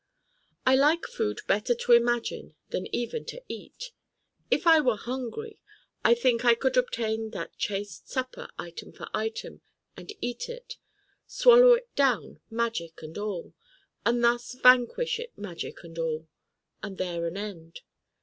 I like food better to imagine than even to eat. If I were hungry I think I could obtain that chaste supper item for item, and eat it: swallow it down magic and all, and thus vanquish it magic and all, and there an end.